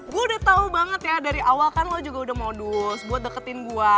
gue udah tau banget ya dari awal kan lo juga udah modus buat deketin gue